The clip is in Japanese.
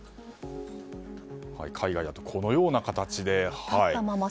海外だとこのような形で。